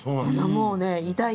もうね痛い